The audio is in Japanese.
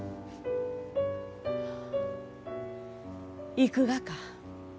行くがか？